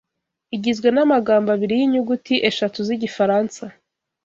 igizwe namagambo abiri yinyuguti eshatu zigifaransa